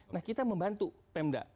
nah kita membantu pemda